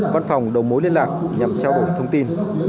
văn phòng đầu mối liên lạc nhằm trao đổi thông tin